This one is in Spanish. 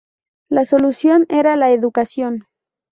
La solución era la educación.